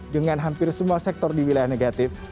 dengan hampir semua sektor di wilayah negatif